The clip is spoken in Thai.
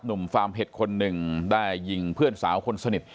ฟาร์มเห็ดคนหนึ่งได้ยิงเพื่อนสาวคนสนิท